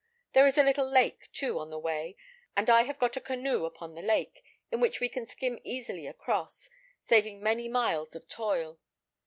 There is a little lake, too, on the way, and I have got a canoe upon the lake, in which we can skim easily across, saving many miles of toil.